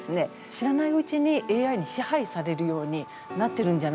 知らないうちにＡＩに支配されるようになってるんじゃないか。